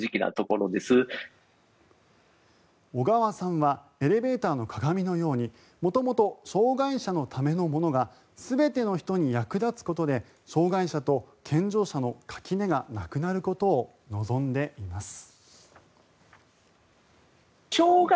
小川さんはエレベーターの鏡のように元々、障害者のためのものが全ての人に役立つことで障害者と健常者の垣根がなくなることを望んでいます。